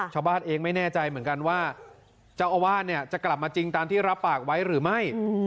ชาวบ้านเองไม่แน่ใจเหมือนกันว่าเจ้าอาวาสเนี่ยจะกลับมาจริงตามที่รับปากไว้หรือไม่